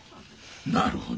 なるほどな。